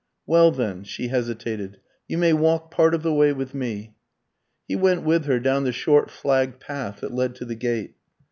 "Well, then " she hesitated. "You may walk part of the way with me." He went with her down the short flagged path that led to the gate.